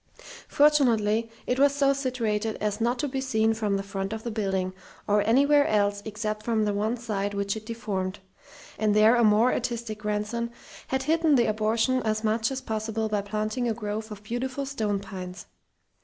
Fortunately it was so situated as not to be seen from the front of the building, or anywhere else except from the one side which it deformed; and there a more artistic grandson had hidden the abortion as much as possible by planting a grove of beautiful stone pines.